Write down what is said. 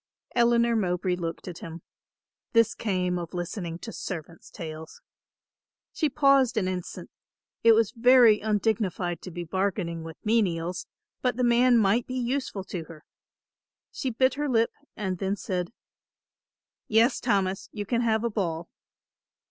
Eleanor Mowbray looked at him. This came of listening to servants' tales. She paused an instant; it was very undignified to be bargaining with menials, but the man might be useful to her; she bit her lip and then said, "Yes, Thomas, you can have a boll."